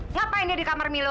ngapain dia di kamar milu